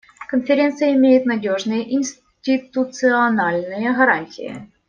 Конференция имеет надежные институциональные гарантии.